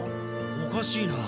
おかしいな。